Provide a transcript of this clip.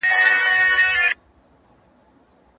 نجلۍ په ډېر صبر او حوصلې سره زما کیسو ته غوږ نیولی و.